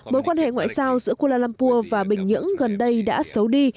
mối quan hệ ngoại giao giữa kuala lumpur và bình nhưỡng gần đây đã xấu đi